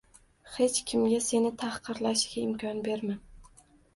hech kimga seni tahqirlashiga imkon berma.